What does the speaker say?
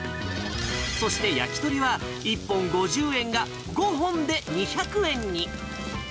そして、焼き鳥は１本５０円が５本で２００円に。